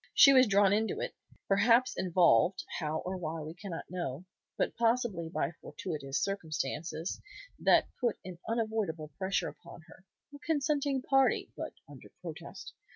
She was drawn into it, perhaps involved, how or why we cannot know, but possibly by fortuitous circumstances that put an unavoidable pressure upon her; a consenting party, but under protest.